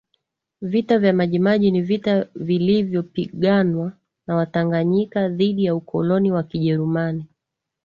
Vita vya Maji Maji ni vita vilivyopiganwa na Watanganyika dhidi ya ukoloni wa kijerumani